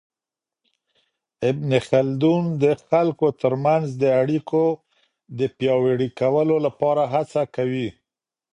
ابن خلدون د خلګو ترمنځ د اړیکو د پياوړي کولو لپاره هڅه کوي.